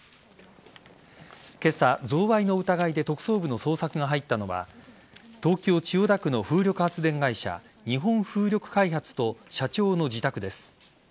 今朝、贈賄の疑いで特捜部の捜索が入ったのは東京・千代田区の風力発電会社日本風力開発と社長の自宅です。